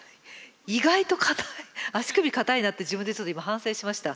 意外と硬い足首硬いなって自分でちょっと今反省しました。